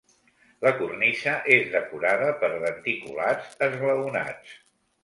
La cornisa és decorada per denticulats esglaonats.